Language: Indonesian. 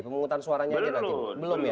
pemungutan suaranya aja nanti belum ya